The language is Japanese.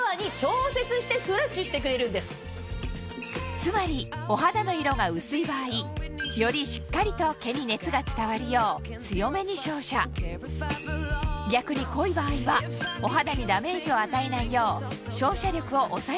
つまりお肌の色が薄い場合よりしっかりと毛に熱が伝わるよう強めに照射逆に濃い場合はお肌にダメージを与えないよう照射力を抑えてくれるんです